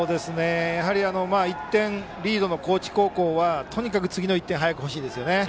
やはり１点リードの高知高校はとにかく次の１点が早く欲しいですね。